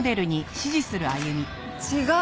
違う！